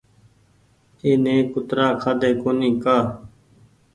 تني ڪترآ کآۮي ڪونيٚ ڪآ